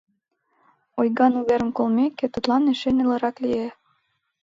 Ойган уверым колмеке, тудлан эше нелырак лие.